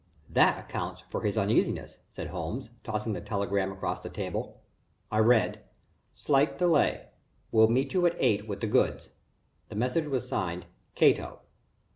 "That accounts for his uneasiness," said Holmes, tossing the telegram across the table. I read: "Slight delay. Will meet you at eight with the goods." The message was signed: "Cato."